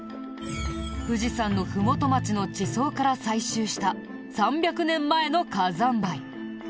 富士山の麓町の地層から採集した３００年前の火山灰。